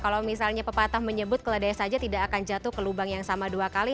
kalau misalnya pepatah menyebut keledai saja tidak akan jatuh ke lubang yang sama dua kali